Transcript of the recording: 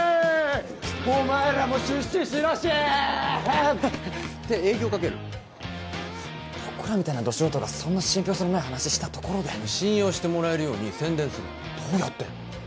お前らも出資しろしって営業かける僕らみたいなド素人がそんな信ぴょう性のない話したところで信用してもらえるように宣伝するどうやって？